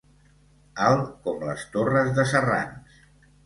Alt com les torres de Serrans.